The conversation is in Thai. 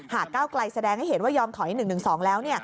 ก้าวไกลแสดงให้เห็นว่ายอมถอย๑๑๒แล้ว